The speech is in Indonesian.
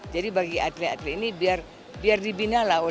jadi bagi atlet atlet ini biar dibina lah oleh klubnya